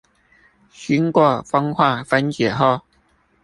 經過風化分解後